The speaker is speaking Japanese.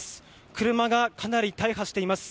車がかなり大破しています。